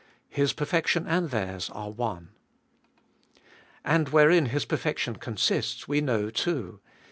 His perfection and theirs are one. And wherein His perfection consists we know too.